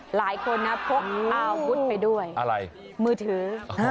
หลายคนนะพกอาวุธไปด้วยอะไรมือถือ